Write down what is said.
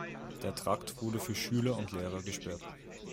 Der Trakt wurde für Schüler und Lehrer gesperrt.